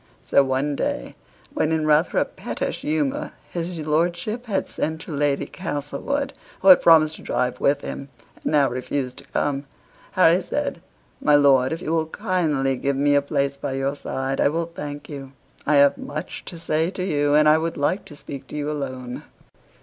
So one day, when in rather a pettish humor his lordship had sent to Lady Castlewood, who had promised to drive with him, and now refused to come, Harry said "My lord, if you will kindly give me a place by your side I will thank you; I have much to say to you, and would like to speak to you alone."